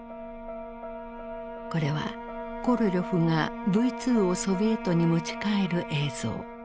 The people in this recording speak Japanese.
これはコロリョフがＶ２をソビエトに持ち帰る映像。